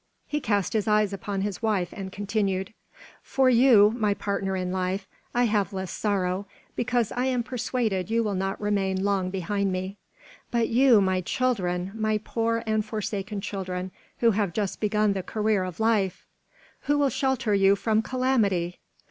He cast his eyes upon his wife, and continued: "For you, my partner in life, I have less sorrow, because I am persuaded you will not remain long behind me; but you, my children! my poor and forsaken children, who have just begun the career of life! Who will shelter you from calamity?